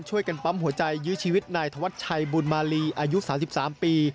ช่วยกันปั๊มหัวใจยื้อชีวิตนายธวัชชัยบุญมาลีอายุ๓๓ปี